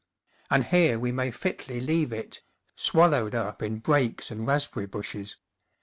And here we may fitly leave it, swallowed up in brakes and rasp berry bushes.